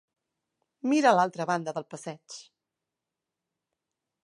Mira a l'altra banda del passeig.